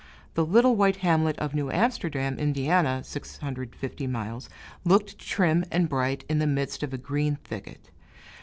The little white hamlet of New Amsterdam, Ind. (650 miles), looked trim and bright in the midst of a green thicket.